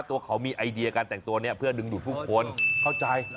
ตัวเขามีไอเดียการแต่งตัวนี้เพื่อดึงดูดผู้คนเข้าใจ